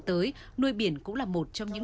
tới nuôi biển cũng là một trong những